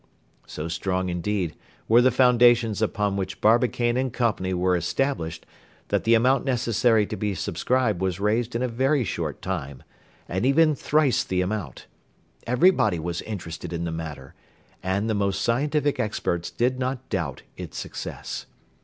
So strong, indeed, were the foundations upon which Barbicane & Co. were established that the amount necessary to be subscribed was raised in a very short time, and even thrice the amount. Everybody was interested in the matter, and the most scientific experts did not doubt its success.